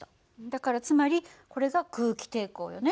だからつまりこれが空気抵抗よね。